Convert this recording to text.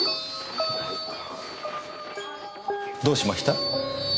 どうしました？